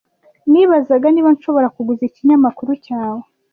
Nibazaga niba nshobora kuguza ikinyamakuru cyawe.